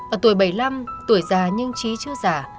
ở tuổi bảy mươi năm tuổi già nhưng trí chưa giả